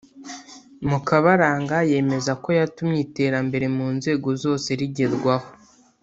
Mukabaranga yemeza ko yatumye iterambere mu nzego zose rigerwaho